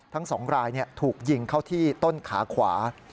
ทั้ง๒รายถูกยิงเข้าที่ต้นขาขวา